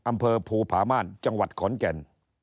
อำเภอภูผาม่านจังหวัดขอนแก่น